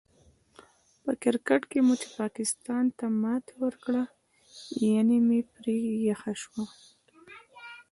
په کرکیټ کې مو چې پاکستان ته ماتې ورکړله، ینه مې پرې یخه شوله.